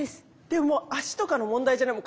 でも足とかの問題じゃない。